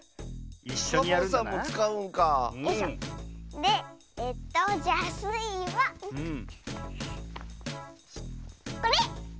でえっとじゃあスイはこれ！